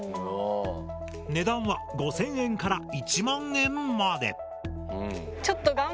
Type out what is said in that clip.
値段は５０００円から１万円まで。